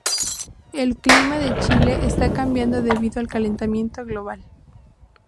El clima de Chile está cambiando debido al calentamiento global.